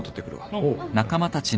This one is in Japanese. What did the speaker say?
おう。